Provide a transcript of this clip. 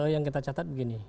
yang kita catat begini